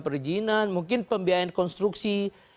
perizinan mungkin pembiayaan konstruksi